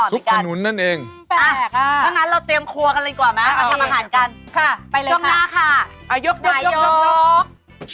ทุกขนุ้นนั่นเองค่ะไปเลยค่ะช่องหน้าค่ะนายกนายกนายกนายก